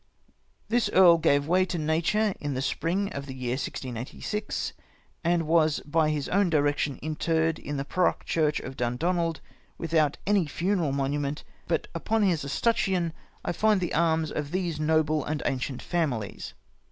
" This Earl gave way to Natm e in the spring of the Year 1686, and was by his own Direction interr'd in the Paroch Church of Dundonald, without any Funeral Monument, but uj^on his Escutcheon I find the Arms of these noble and ancient Families.